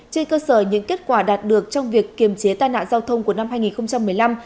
trên cơ sở những kết quả đạt được trong việc kiềm chế tai nạn giao thông của năm hai nghìn một mươi năm